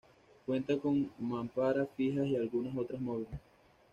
Cuenta con mamparas fijas y algunas otras móviles.